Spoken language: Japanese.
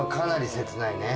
切ないね。